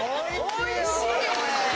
「おいしいよこれ！」